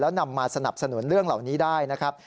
นำมาสนับสนุนเรื่องเหล่านี้ได้นะครับ